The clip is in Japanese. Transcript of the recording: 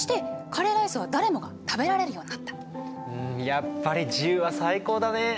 やっぱり自由は最高だね。